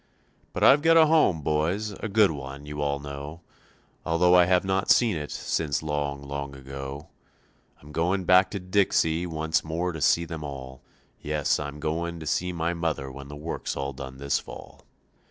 "But I've got a home, boys, a good one, you all know, Although I have not seen it since long, long ago. I'm going back to Dixie once more to see them all; Yes, I'm going to see my mother when the work's all done this fall.